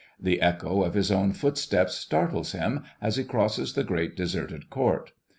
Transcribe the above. The echo of his own footsteps startles him as he crosses the great deserted court.